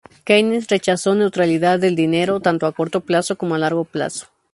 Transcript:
Keynes rechazó neutralidad del dinero, tanto a corto plazo como a largo plazo.